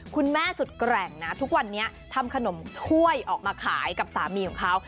คุณแม่สุดแกร่งนะทุกวันนี้ทำขนมถ้วยออกมาขายกับสามีของเขา